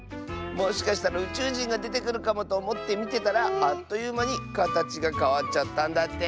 もしかしたらうちゅうじんがでてくるかもとおもってみてたらあっというまにかたちがかわっちゃったんだって。